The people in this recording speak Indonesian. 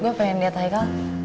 gue pengen liat raika